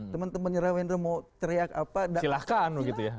teman teman nyara wendro mau teriak apa silahkan